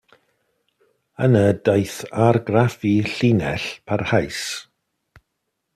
Yna daeth argraffu llinell, parhaus.